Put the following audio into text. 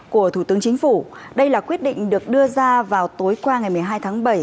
của thủ tướng chính phủ đây là quyết định được đưa ra vào tối qua ngày một mươi hai tháng bảy